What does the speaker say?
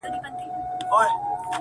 زه دي لکه سیوری درسره یمه پل نه لرم؛